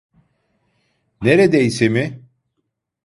Neredeyse mi?